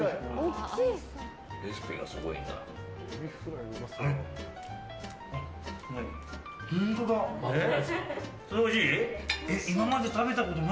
レシピがすごいんだな。